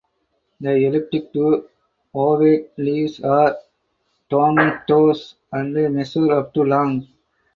The elliptic to ovate leaves are tomentose and measure up to long.